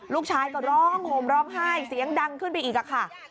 ลูกชายก็ร้องห่มร้องไห้เสียงดังขึ้นไปอีกค่ะ